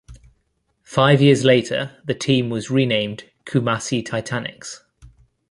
Five years later the team was renamed Kumasi Titanics.